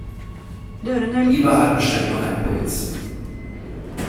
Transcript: Eberhard bestellt noch ein Pils.